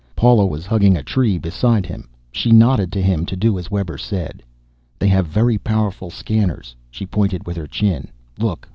Paula was hugging a tree beside him. She nodded to him to do as Webber said. "They have very powerful scanners." She pointed with her chin. "Look.